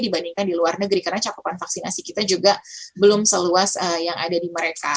dibandingkan di luar negeri karena cakupan vaksinasi kita juga belum seluas yang ada di mereka